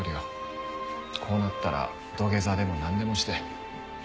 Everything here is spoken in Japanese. こうなったら土下座でもなんでもして。